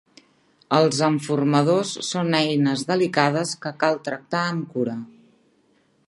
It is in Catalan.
Els enformadors són eines delicades que cal tractar amb cura.